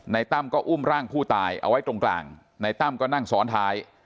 ตั้มก็อุ้มร่างผู้ตายเอาไว้ตรงกลางในตั้มก็นั่งซ้อนท้าย